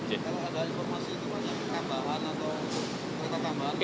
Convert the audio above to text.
kalau ada informasi itu banyak tambahan atau kereta tambahan